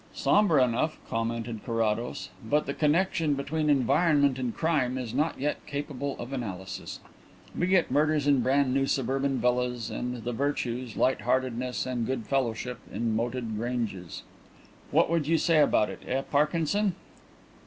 "Sombre enough," commented Carrados, "but the connexion between environment and crime is not yet capable of analysis. We get murders in brand new suburban villas and the virtues, light heartedness and good fellowship, in moated granges. What should you say about it, eh, Parkinson?"